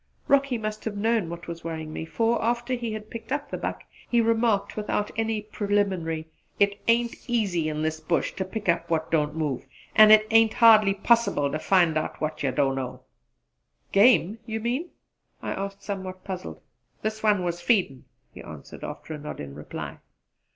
Rocky must have known what was worrying me, for, after we had picked up the buck, he remarked without any preliminary, "It ain't easy in this bush ter pick up what don't move; an' it ain't hardly possible ter find what ye don't know!" "Game you mean?" I asked, somewhat puzzled. "This one was feeding," he answered, after a nod in reply.